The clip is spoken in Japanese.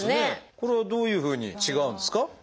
これはどういうふうに違うんですか？